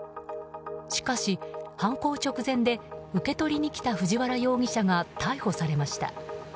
しかし、犯行直前で受け取りに来た藤原容疑者が逮捕されました。